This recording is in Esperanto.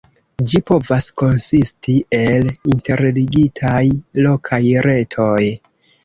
Ĝi povas konsisti el interligitaj lokaj retoj.